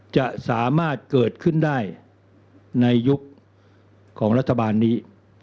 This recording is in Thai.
จะสามารถเกิดขึ้นได้ในยุคของรัฐบาลนี้